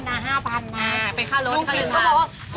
แล้วเอาเงินไปด้วยนะ๕๐๐๐บาท